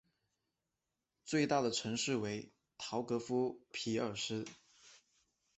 最大城市为陶格夫匹尔斯。